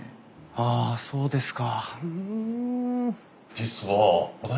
あっそうですか。